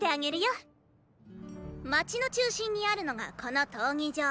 街の中心にあるのがこの闘技場。